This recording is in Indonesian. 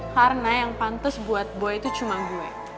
karena yang pantes buat boy tuh cuma gue